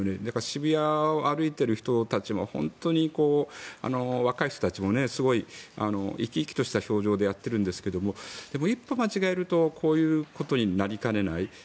渋谷を歩いている人たちも本当に若い人たちもすごい生き生きとした表情でやってるんですがでも、一歩間違えるとこういうことになりかねない。